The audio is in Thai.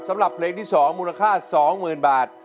สำหรับเพลงที่๒มูลค่า๒๐๐๐บาท